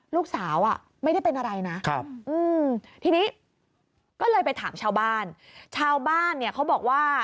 อ่ะไม่ได้เป็นอะไรนะทีนี้ก็เลยไปถามชาวบ้านชาวบ้านเนี่ยเขาบอกว่า